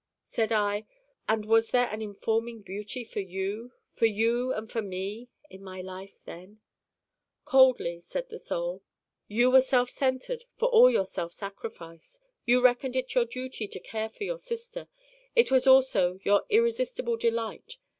Said I: 'And was there an informing beauty for you, for you and for me, in my life then?' Coldly said the Soul: 'You were self centered, for all your self sacrifice. You reckoned it your duty to care for your sister. It was also your irresistible delight.